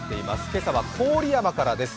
今朝は郡山からです。